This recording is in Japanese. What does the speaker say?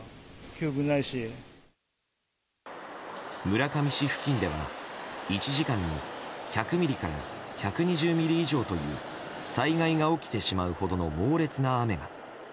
村上市付近では１時間に１００ミリから１２０ミリ以上という災害が起きてしまうほどの猛烈な雨が。